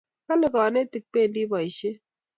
Kale kanetik pendi poishet